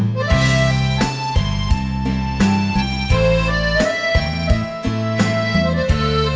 ขอโชคดีค่ะตังสตินรู